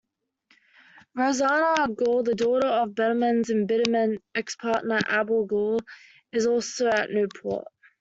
Rosanna Gaw, the daughter of Betterman's embittered ex-partner Abel Gaw, is also at Newport.